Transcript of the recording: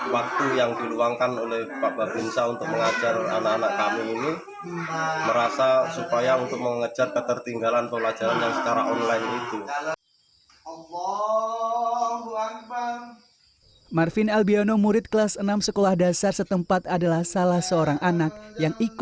waktu indonesia tengah